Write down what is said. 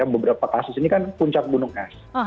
beberapa kasus ini kan puncak gunungnya